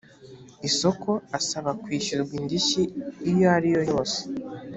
isoko asaba kwishyurwa indishyi iyo ariyo yose